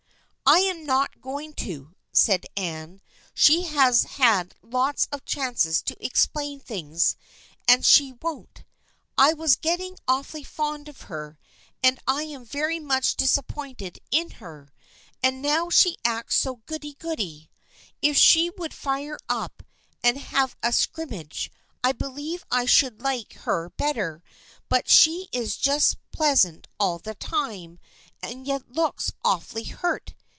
" I am not going to," said Anne. " She has had lots of chances to explain things, and she won't. I was getting awfully fond of her, and I am very much disappointed in her. And now she acts so ' goody goody.' If she would fire up and have a scrimmage I believe I should like her better, but she is just pleasant all the time and yet looks awfully hurt.